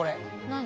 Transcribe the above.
何？